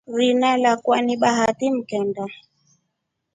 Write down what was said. Rina lakwa ni Bahati mkenda.